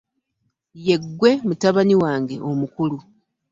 Ye ggwe mutabani wange omukulu.